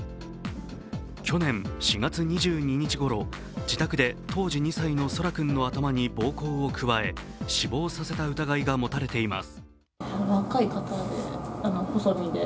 去年４月２２日ごろ自宅で当時２歳の空来君の頭に暴行を加え、死亡させた疑いが持たれています。